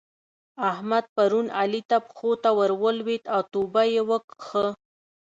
احمد پرون علي ته پښو ته ور ولېد او توبه يې وکښه.